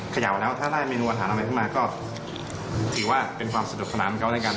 เขย่าแล้วถ้าได้เมนูอาหารอะไรขึ้นมาก็ถือว่าเป็นความสนุกสนานของเขาแล้วกัน